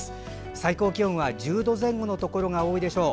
最高気温は１０度前後のところが多いでしょう。